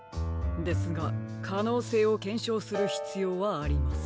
ですがかのうせいをけんしょうするひつようはあります。